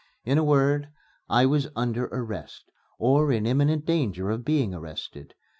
In a word, I was under arrest, or in imminent danger of being arrested.